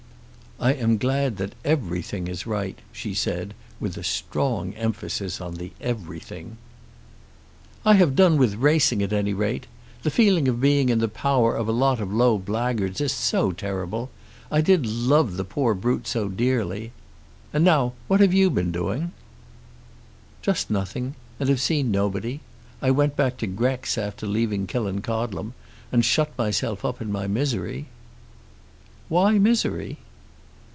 "I am glad that everything is right," she said, with a strong emphasis on the "everything." "I have done with racing, at any rate. The feeling of being in the power of a lot of low blackguards is so terrible! I did love the poor brute so dearly. And now what have you been doing?" "Just nothing; and have seen nobody. I went back to Grex after leaving Killancodlem, and shut myself up in my misery." "Why misery?"